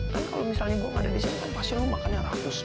kan kalo misalnya gue ga ada disini pasti lo makannya ratus